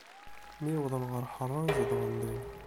Mi wwḍen ɣer Ḥaṛan, zedɣen dinna.